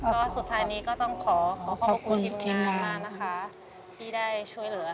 ก็สุดท้ายนี้ก็ต้องขอขอขอบคุณทีมงานมากนะคะที่ได้ช่วยเหลือ